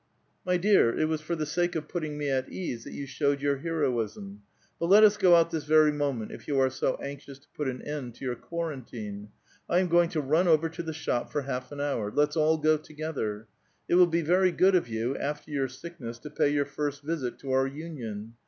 " My dear, it was for the sake of putting me at ease that you showed your heroism. But let us go out this very moment, if you are so anxious to put an end to your quaran tine. I am going to run over to the shop for )ialf an hour ; let's all go together. It will be very good of you, after jour sickness, to pay your first visit to our union.